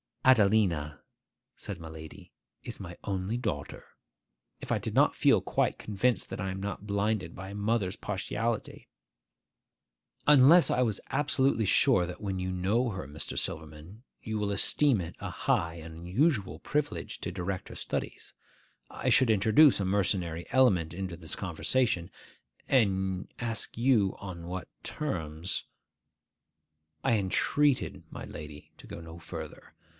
'Adelina,' said my lady, 'is my only daughter. If I did not feel quite convinced that I am not blinded by a mother's partiality; unless I was absolutely sure that when you know her, Mr. Silverman, you will esteem it a high and unusual privilege to direct her studies,—I should introduce a mercenary element into this conversation, and ask you on what terms—' I entreated my lady to go no further.